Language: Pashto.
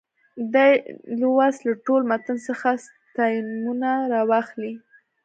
دې لوست له ټول متن څخه ستاینومونه راواخلئ.